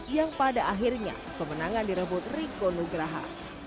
yang pada akhirnya kemenangan direbut riko nugraha